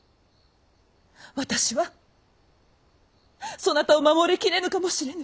私はそなたを守りきれぬかもしれぬ！